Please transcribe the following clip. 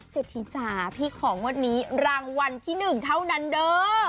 เสถีจ่าพี่ของวันนี้รางวัลที่๑เท่านั้นเบ้อ